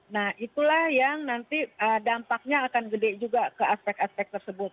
nah itulah yang nanti dampaknya akan gede juga ke aspek aspek tersebut